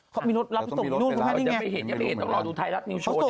จะต้องมีรถไปแล้วจะไปเห็นต้องรอดูไทยรับมีโชว์อยู่แหละ